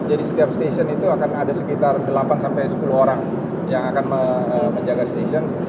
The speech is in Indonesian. jadi setiap station itu akan ada sekitar delapan sepuluh orang yang akan menjaga station